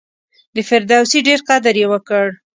د فردوسي ډېر قدر یې وکړ.